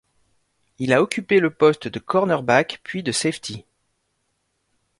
Il a occupé le poste de cornerback puis de safety.